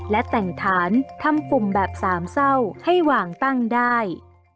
และแต่งฐานทำปุ่มแบบสามเศร้าให้วางตั้งได้